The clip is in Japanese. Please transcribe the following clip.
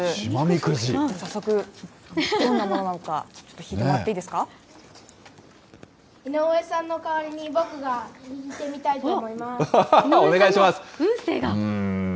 早速、どんなものなのか、ちょっと引いてもらっていいですか井上さんの代わりに僕が引いお願いします。